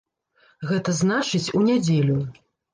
Гэта значыць, у нядзелю.